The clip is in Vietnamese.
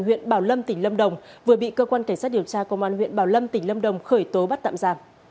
huyện bảo lâm tỉnh lâm đồng